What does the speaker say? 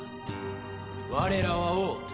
我らは王。